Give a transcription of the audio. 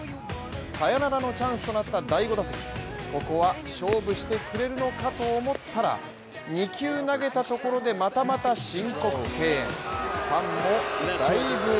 サヨナラのチャンスとなった第５打席、ここは勝負してくれるのかと思ったら２球投げたところでまたまた申告敬遠。